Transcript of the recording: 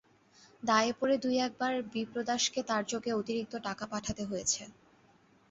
দায়ে পড়ে দুই-একবার বিপ্রদাসকে তার-যোগে অতিরিক্ত টাকা পাঠাতে হয়েছে।